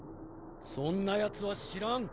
そんなやつは知らん。